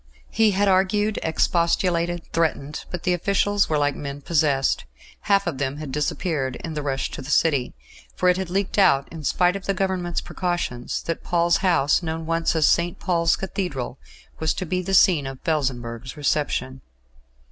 He had argued, expostulated, threatened, but the officials were like men possessed. Half of them had disappeared in the rush to the City, for it had leaked out, in spite of the Government's precautions, that Paul's House, known once as St. Paul's Cathedral, was to be the scene of Felsenburgh's reception.